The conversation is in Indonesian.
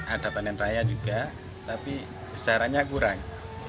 ada panen raya juga tapi besarannya kurang